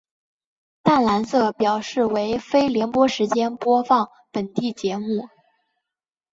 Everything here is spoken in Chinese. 淡蓝色表示为非联播时间播放本地节目。